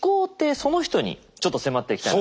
その人にちょっと迫っていきたいなと。